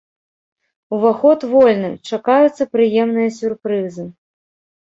Уваход вольны, чакаюцца прыемныя сюрпрызы.